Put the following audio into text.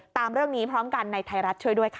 ตามเรื่องนี้พร้อมกันในไทยรัฐช่วยด้วยค่ะ